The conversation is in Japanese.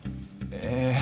ええ？